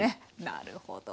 なるほど。